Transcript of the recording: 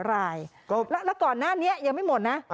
รายแล้วก่อนหน้านี้ยังไม่หมดนะ